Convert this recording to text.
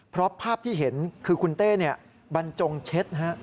เพราะภาพที่เห็นคือคุณเต้บรรจงเช็ด